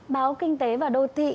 báo kinh tế và đô tị